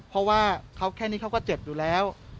เพราะว่าเขาแค่นี้เขาก็เจ็บอยู่แล้ว